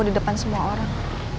di depan semua orang